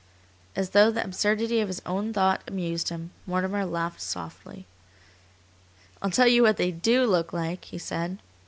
As though the absurdity of his own thought amused him, Mortimer laughed softly. "I'll tell you what they DO look like," he said.